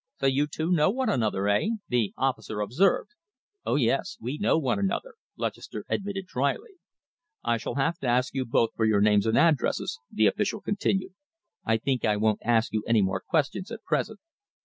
"So you two know one another, eh?" the officer observed. "Oh, yes, we know one another!" Lutchester admitted drily. "I shall have to ask you both for your names and addresses," the official continued. "I think I won't ask you any more questions at present.